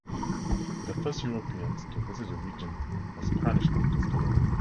The first Europeans to visit the region were Spanish conquistadors.